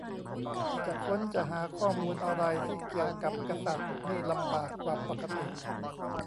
จะค้นจะหาข้อมูลอะไรที่เกี่ยวกับกษัตริย์นี่ลำบากกว่าปกติ